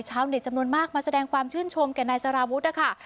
เน็ตจำนวนมากมาแสดงความชื่นชมแก่นายสารวุฒินะคะ